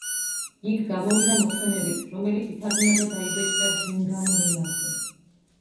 იქ გამოვიდა მოხსენებით, რომელიც ითარგმნა და დაიბეჭდა ბენგალურ ენაზე.